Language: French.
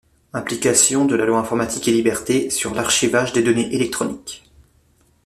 Implications de la Loi informatique et libertés sur l’archivage des données électroniques.